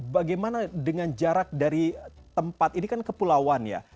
bagaimana dengan jarak dari tempat ini kan kepulauan ya